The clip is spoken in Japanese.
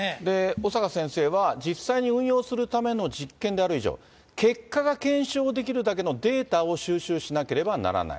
小坂先生は、実際に運用するための実験である以上、結果が検証できるだけのデータを収集しなければならない。